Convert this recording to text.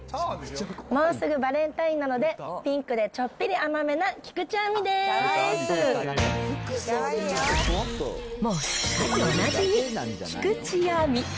もうすぐバレンタインなので、ピンクでちょっぴり甘めな菊地亜美